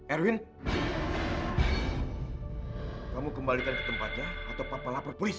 erwin kamu kembalikan ke tempatnya atau papa lapar puisi